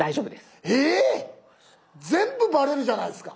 えっ⁉全部バレるじゃないですか。